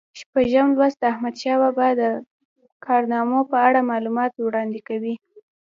شپږم لوست د احمدشاه بابا د کارنامو په اړه معلومات وړاندې کوي.